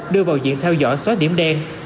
đưa vào diện theo dõi xóa điểm đen